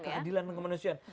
keadilan dan kemanusiaan